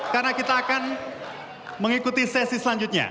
karena kita akan mengikuti sesi selanjutnya